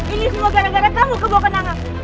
ini semua gara gara kamu kebukendangan